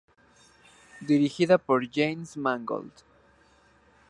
Dirigida por James Mangold.